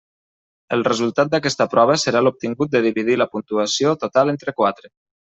El resultat d'aquesta prova serà l'obtingut de dividir la puntuació total entre quatre.